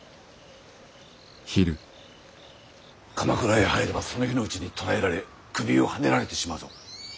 鎌倉へ入ればその日のうちに捕らえられ首をはねられてしまうぞ。